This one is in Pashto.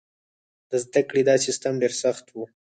د زده کړې دا سیستم ډېر سخت و.